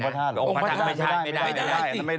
องค์ประธานหรอองค์ประธานไม่ใช่ไม่ได้ไม่ได้